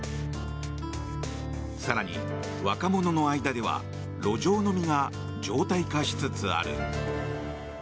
更に、若者の間では路上飲みが常態化しつつある。